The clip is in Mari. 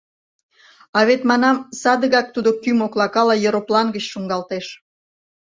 — А вет, манам, садыгак тудо кӱ моклакала ероплан гыч шуҥгалтеш.